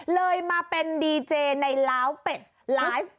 เลยมาเป็นดีเจในล้าวเป็ดไลฟ์